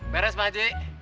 beres pak j